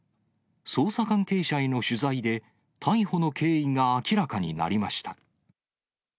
捜査関係者への取材で、逮捕の経緯が明らかになりました。